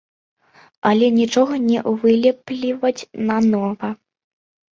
Але нічога не вылепліваць нанова.